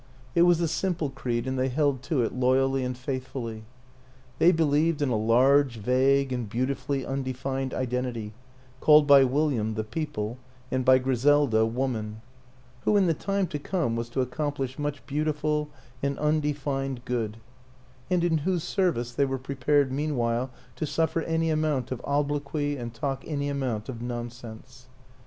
It was a simple creed and they held to it loyally and faithfully. They believed in a large, vague and beautifully unde fined identity, called by William the People, and by Griselda, Woman; who in the time to come was to accomplish much beautiful and undefined Good; and in whose service they were prepared meanwhile to suffer any amount of obloquy and talk any amount of nonsense.